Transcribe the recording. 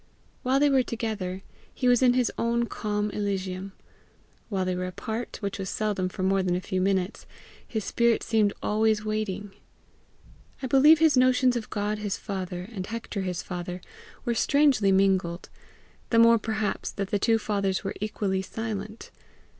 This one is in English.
While they were together, he was in his own calm elysium; when they were apart, which was seldom for more than a few minutes, his spirit seemed always waiting. I believe his notions of God his father, and Hector his father, were strangely mingled the more perhaps that the two fathers were equally silent.